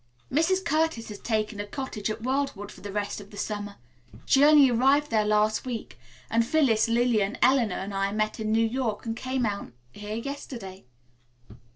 "Mrs. Curtis has taken a cottage at Wildwood for the rest of the summer. She only arrived there last week, and Phyllis, Lillian, Eleanor and I met in New York and came on here yesterday."